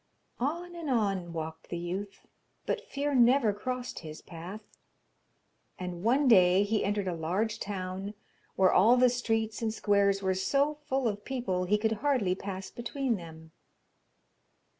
On and on walked the youth, but fear never crossed his path, and one day he entered a large town, where all the streets and squares were so full of people, he could hardly pass between them.